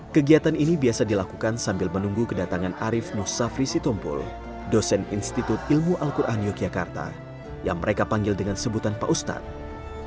kegiatan ini biasa dilakukan sambil menunggu kedatangan arief nusafri sitompul dosen institut ilmu al quran yogyakarta yang mereka panggil dengan sebutan pak ustadz